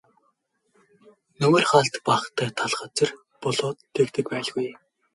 Нөмөр хаалт багатай тал газар болоод тэгдэг байлгүй.